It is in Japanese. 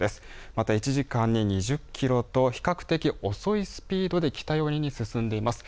また１時間に２０キロと比較的遅いスピードで北寄りに進んでいます。